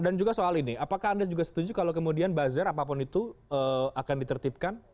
dan juga soal ini apakah anda juga setuju kalau kemudian buzzer apapun itu akan ditertibkan